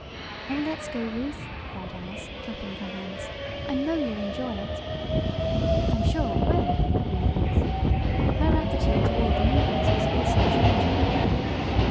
"Oh, let's go, Ruth!" cried Alice, clapping her hands. "I know you'll enjoy it!" "I'm sure I will," agreed Ruth. Her attitude toward the movies was also changing.